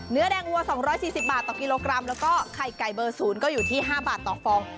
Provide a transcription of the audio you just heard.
เนื้อแดงวัว๒๔๐บาทต่อกิโลกรัมแล้วก็ไข่ไก่เบอร์๐ก็อยู่ที่๕บาทต่อฟอง